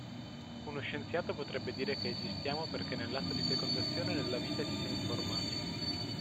Uno scienziato potrebbe dire che esistiamo perché nell'atto di fecondazione nella vita ci siamo formati.